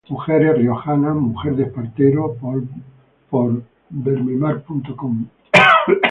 Mujeres riojanas: mujer de Espartero, por Bermemar.com.